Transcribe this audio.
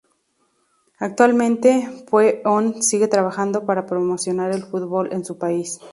Actualmente, Pue-on sigue trabajando para promocionar el fútbol en su país.